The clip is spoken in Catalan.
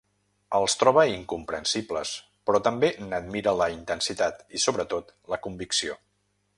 Els troba incomprensibles, però també n'admira la intensitat i, sobretot, la convicció.